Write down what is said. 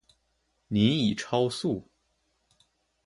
您已超速